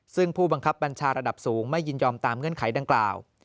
ซึ่งผู้บังคับบัญชาระดับสูงไม่ยินยอมตามเงื่อนไขดังกล่าว